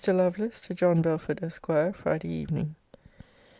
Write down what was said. LOVELACE, TO JOHN BELFORD, ESQ. FRIDAY EVENING.